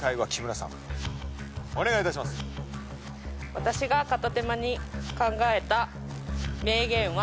私が片手間に考えた名言は。